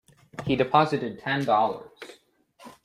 He's deposited Ten Dollars.